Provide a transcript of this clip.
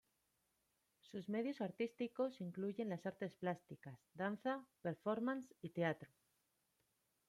Sus medios artísticos incluyen las artes plásticas, danza, performance y teatro.